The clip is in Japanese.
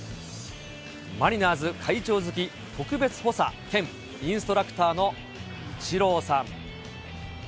マリナーズ会長付特別補佐兼インストラクターのイチローさん。